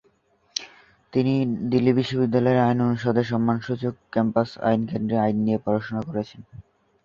তিনি দিল্লি বিশ্ববিদ্যালয়ের আইন অনুষদের সম্মানসূচক ক্যাম্পাস আইন কেন্দ্রে আইন নিয়ে পড়াশোনা করেছেন।